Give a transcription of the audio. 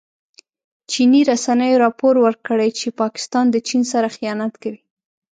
چیني رسنیو راپور ورکړی چې پاکستان د چین سره خيانت کوي.